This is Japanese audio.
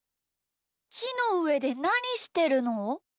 きのうえでなにしてるの？